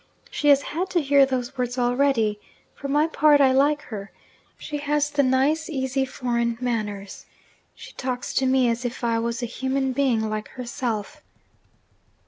She has had to hear those words already. For my part, I like her. She has the nice, easy foreign manners she talks to me as if I was a human being like herself.'